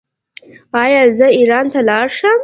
ایا زه ایران ته لاړ شم؟